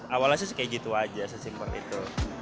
awalnya sih kayak gitu aja sesimpel itu